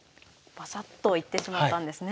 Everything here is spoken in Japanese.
バサッといってしまったんですね。